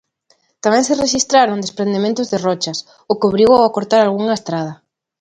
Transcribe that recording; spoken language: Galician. Tamén se rexistraron desprendementos de rochas, o que obrigou a cortar algunha estrada.